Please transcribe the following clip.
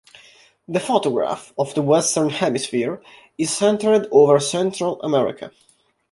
The photograph, of the Western Hemisphere, is centered over Central America.